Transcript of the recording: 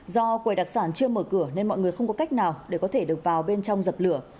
do quầy đặc sản chưa mở cửa nên mọi người không có cách nào để có thể được vào bên trong dập lửa